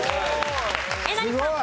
えなりさん。